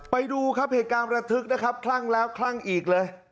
ไปดูครับเหตุการณ์ระทึกนะครับคลั่งแล้วคลั่งอีกเลย